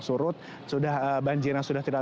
surut banjirnya sudah tidak